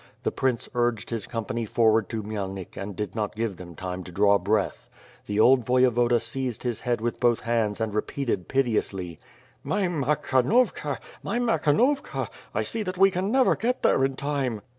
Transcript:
The prince urged his company forward to Khmyelnik and did not give them time to draw breath. The old Voyevoda seized his head with both hands and repeated piteously: "My Makhnovka! My Makhnovkal I see that we can never get there in time."